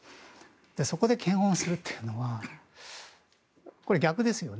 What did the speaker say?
そこで検温するというのは逆ですよね。